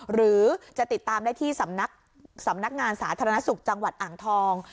หรือจะติดตามได้ที่สำนักสำนักงานสาธารณสุขจังหวัดอ่างทอง